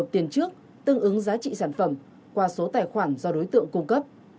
tiền trước tương ứng giá trị sản phẩm qua số tài khoản do đối tượng cung cấp